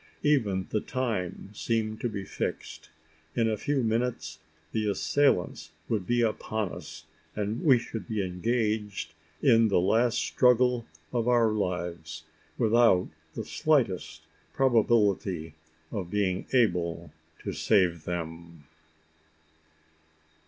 Even the time seemed to be fixed. In a few minutes, the assailants would be upon us; and we should be engaged in the last struggle of our lives without the slightest probability of being able to save them!